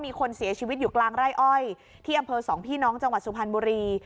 มีคนเสียชีวิตอยู่กลางไร่อ้อยที่อำเภอสองพี่น้องจังหวัดสุพรรณบุรี